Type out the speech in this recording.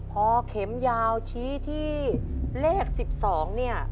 พอเข็มยาวชี้ที่เลข๑๒เนี่ย